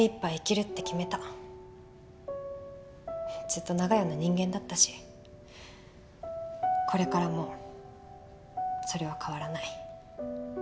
ずっと長屋の人間だったしこれからもそれは変わらない。